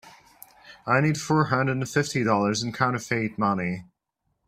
I need four hundred and fifty dollars in counterfeit money.